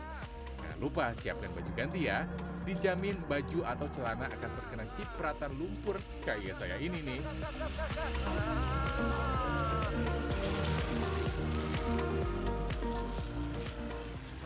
jangan lupa siapkan baju ganti ya dijamin baju atau celana akan terkena cipratan lumpur kayak saya ini nih